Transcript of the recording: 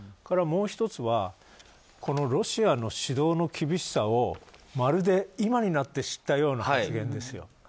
もう１つはロシアの指導の厳しさをまるで今になって知ったような発言ですよ。